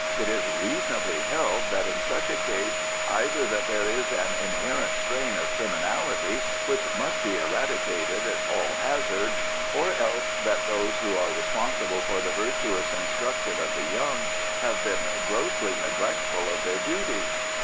"It is reasonably held that in such a case either that there is an inherent strain of criminality which must be eradicated at all hazard, or else that those who are responsible for the virtuous instruction of the young have been grossly neglectful of their duty.